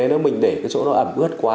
nếu mình để cái chỗ nó ẩm ướt quá